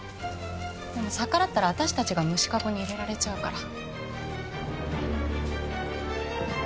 でも逆らったら私たちが無視カゴに入れられちゃうから。